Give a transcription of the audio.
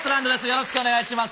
よろしくお願いします。